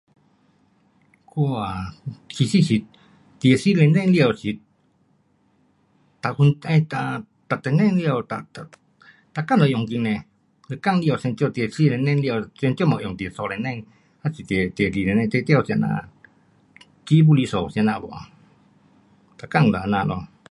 我啊,其实是二十四小时了是， [unintelligible] 每个钟，[da da] 每天都用着的。每日就二十四小时了，最少也用二十三小时，二十四小时，至少是那样，机不离手，怎样吧，每天就这样咯。